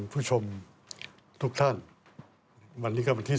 สวัสดีครับ